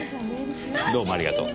どうもありがとう。